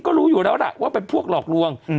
ก็รู้อยู่แล้วล่ะว่าเป็นพวกหลอกลวง